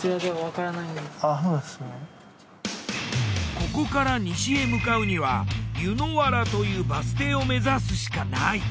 ここから西へ向かうには柚原というバス停を目指すしかない。